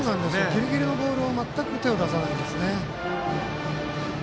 ぎりぎりのボール全く手を出さないですね。